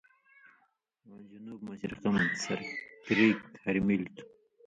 آں جُنوب مشرق مہ سر کریک ہری مِلیۡ تُھو ،